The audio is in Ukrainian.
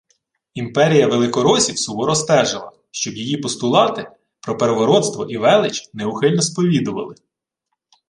Імперія великоросів суворо стежила, щоб її постулати про «первородство» і «велич» неухильно сповідували